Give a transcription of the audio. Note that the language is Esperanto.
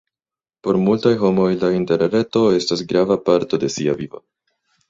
Por multaj homoj la interreto estas grava parto de sia vivo.